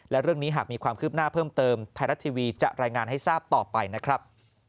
และเรื่องนี้หากมีความคืบหน้าเพิ่มเติมไทยรัฐทีวีจะรายงานให้ทราบต่อไปนะครับ